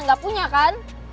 gak punya kan